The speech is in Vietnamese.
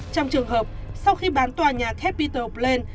trong trường hợp sau khi bán tòa nhà capital bland